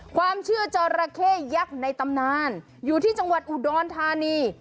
ความเชื่อจอราเข้ยักษ์ในตำนานอยู่ที่จังหวัดอุดรธานี